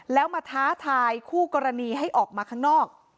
แล้วมาท้าทายคู่กรณีให้ออกมาข้างนอก